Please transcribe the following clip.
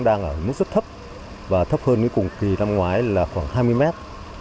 đang ở mức rất thấp và thấp hơn với cùng kỳ năm ngoái là khoảng hai mươi mét